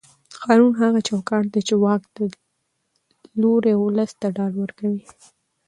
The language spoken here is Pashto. قانون هغه چوکاټ دی چې واک ته لوری او ولس ته ډاډ ورکوي